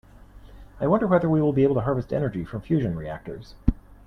I wonder whether we will be able to harvest energy from fusion reactors.